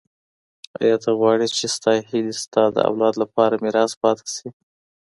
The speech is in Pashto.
ایا ته غواړې چي ستا هیلې ستا د اولاد لپاره ميراث پاته سي؟